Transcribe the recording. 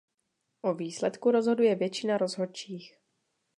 O výsledku rozhoduje většina rozhodčích.